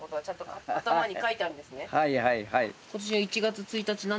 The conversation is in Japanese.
はいはいはい。